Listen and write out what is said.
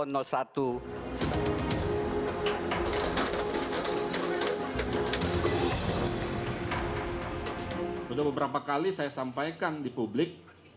sudah beberapa kali saya sampaikan di publik